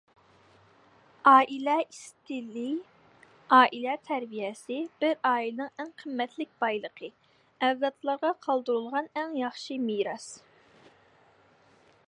ئائىلە ئىستىلى، ئائىلە تەربىيەسى بىر ئائىلىنىڭ ئەڭ قىممەتلىك بايلىقى، ئەۋلادلارغا قالدۇرۇلغان ئەڭ ياخشى مىراس.